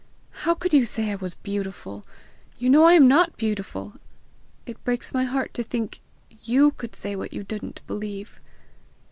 How could you say I was beautiful! You know I am not beautiful! It breaks my heart to think you could say what you didn't believe!"